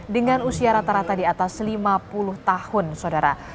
dengan usia rata rata di atas lima puluh tahun saudara